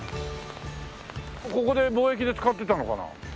ここで貿易で使ってたのかな？